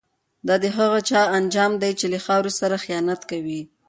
دا د هغه چا انجام دی چي له خاوري سره خیانت کوي.